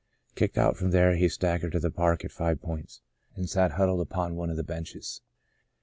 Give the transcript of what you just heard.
Kicked out from there he staggered to the park at Five Points and sat huddled upon one of the benches.